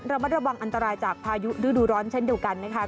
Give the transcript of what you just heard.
ระมัดระวังอันตรายจากพายุฤดูร้อนเช่นเดียวกันนะคะ